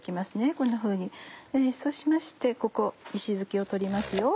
こんなふうにでそうしましてここ石突きを取りますよ。